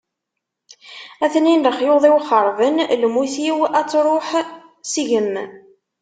A-ten-in lexyuḍ-iw xeṛben, lmut-iw ad truḥ seg-m.